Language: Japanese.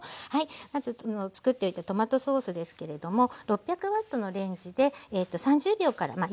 まずつくっておいたトマトソースですけれども６００Ｗのレンジで３０秒から１分ぐらい。